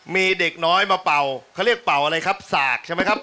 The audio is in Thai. มีเด็กน้อยมาเป่าเขาเรียกเป่าอะไรครับสากใช่ไหมครับ